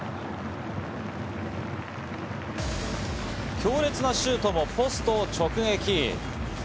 強烈なシュートもポストを直撃。